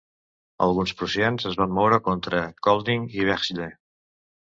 Alguns prussians es van moure contra Kolding i Vejle.